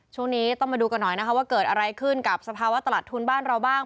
ช่วงนี้ต้องมาดูกันหน่อยนะคะว่าเกิดอะไรขึ้นกับสภาวะตลาดทุนบ้านเราบ้าง